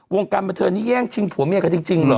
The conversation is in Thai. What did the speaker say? วงการบันเทิงนี้แย่งชิงผัวเมียกันจริงเหรอ